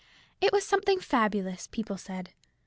It was something fabulous, people said.